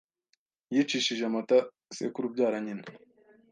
yicishije amata sekuru ubyara nyina